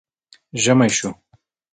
ژمی شو